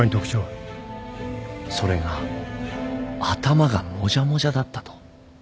それが頭がもじゃもじゃだったと。